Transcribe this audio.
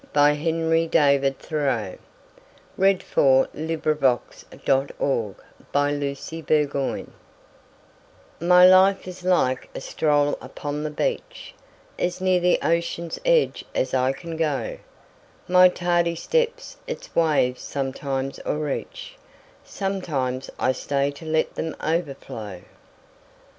By Henry DavidThoreau 301 The Fisher's Boy MY life is like a stroll upon the beach, As near the ocean's edge as I can go; My tardy steps its waves sometimes o'erreach, Sometimes I stay to let them overflow.